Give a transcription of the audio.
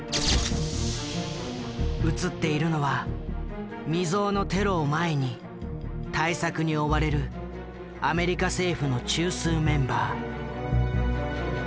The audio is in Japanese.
写っているのは未曽有のテロを前に対策に追われるアメリカ政府の中枢メンバー。